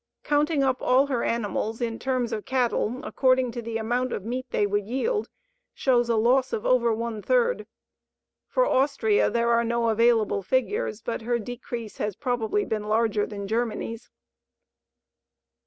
Counting up all her animals in terms of cattle according to the amount of meat they would yield, shows a loss of over one third. For Austria, there are no available figures, but her decrease has probably been larger than Germany's.